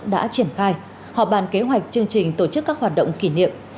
đã triển khai họp bàn kế hoạch chương trình tổ chức các hoạt động kỷ niệm